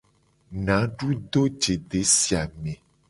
Nadu do je desi a me.